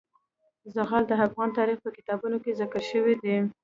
زغال د افغان تاریخ په کتابونو کې ذکر شوی دي.